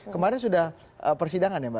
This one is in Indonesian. kemarin sudah persidangan ya mbak